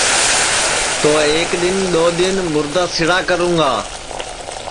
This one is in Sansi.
تو ایک دؔن دؔو دؔن مُردا سِڑا کرونگا